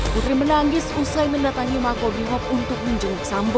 putri menangis usai mendatangi makobrimob untuk menjenguk sambo